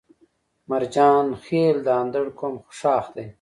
مرجان خيل د اندړ قوم خاښ دی